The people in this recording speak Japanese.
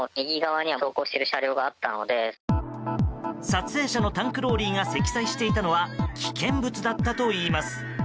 撮影者のタンクローリーが積載していたのは危険物だったといいます。